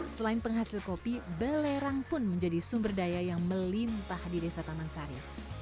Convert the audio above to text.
selain penghasil kopi belerang pun menjadi sumber daya yang melimpah di desa taman sari